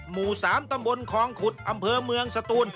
หมู่๓ตำบลคลองขุดอำเภอเมืองสตูน